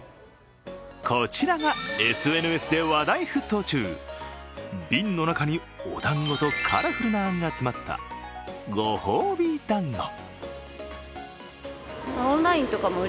こちらがＳＮＳで話題沸騰中瓶の中におだんごとカラフルなあんが詰まったご褒美だんご。